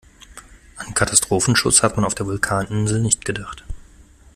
An Katastrophenschutz hat man auf der Vulkaninsel nicht gedacht.